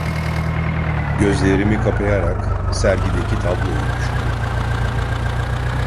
Gözlerimi kapayarak sergideki tabloyu düşündüm.